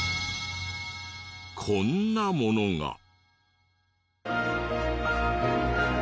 こんなものが。